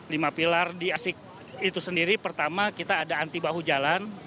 lima pilar di asik itu sendiri pertama kita ada anti bahu jalan